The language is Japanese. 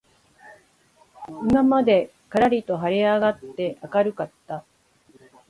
今までからりと晴はれ上あがって明あかるかった